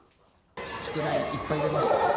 宿題いっぱい出ましたか？